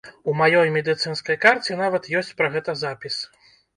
У маёй медыцынскай карце нават ёсць пра гэта запіс.